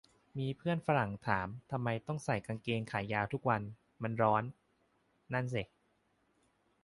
มีเพื่อนฝรั่งถาม ทำไมต้องใส่กางเกงขายาวทุกวัน มันร้อน นั่นเซะ